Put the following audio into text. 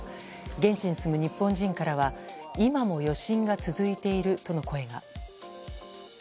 現地に住む日本人からは今も余震が続いているとの声が。